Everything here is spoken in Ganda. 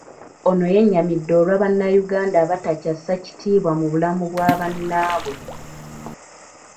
Ono yennyamidde olwa bannayuganda abatakyassa kitiibwa mu bulamu bwa bannaabwe.